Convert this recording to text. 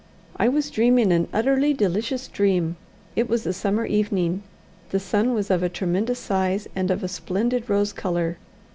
I was dreaming an unutterably delicious dream. It was a summer evening. The sun was of a tremendous size, and of a splendid rose colour.